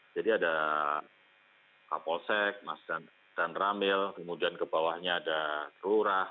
jadi ada kapolsek masdan ramil kemudian ke bawahnya ada terurah